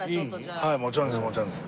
はいもちろんです